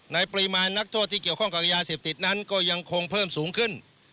ในปริมาณนักโทษที่เกี่ยวข้องกับยาเสพติดนั้นก็ยังคงเพิ่มสูงขึ้น